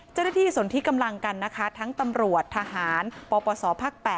เจ้าหน้าที่ส่วนที่กำลังกันนะคะทั้งตำรวจทหารปปศภ๘